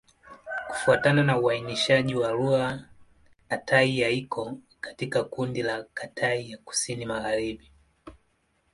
Kufuatana na uainishaji wa lugha, Kitai-Ya iko katika kundi la Kitai ya Kusini-Magharibi.